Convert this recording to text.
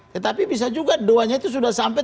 tetapi bisa juga doanya itu sudah sampai